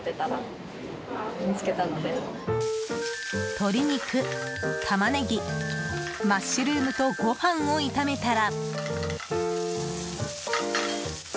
鶏肉、タマネギマッシュルームとご飯を炒めたら。